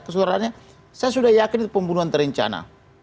kesuaraannya saya sudah yakin pembunuhan terencana